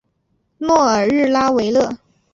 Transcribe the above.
诺尔日拉维勒。